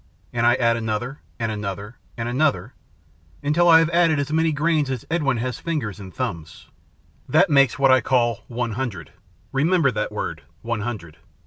And I add another, and another, and another, until I have added as many grains as Edwin has fingers and thumbs. That makes what I call one hundred. Remember that word one hundred.